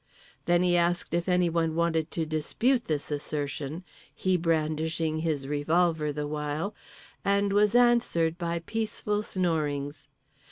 —Then he asked if anyone wanted to dispute this assertion (he brandishing his revolver the while) and was answered by peaceful snorings.